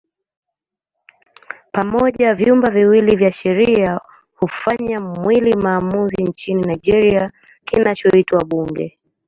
Pamoja vyumba viwili vya sheria hufanya mwili maamuzi nchini Nigeria kinachoitwa Bunge.